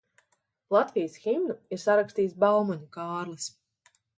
Latvijas himnu ir sarakstījis Baumaņu Kārlis.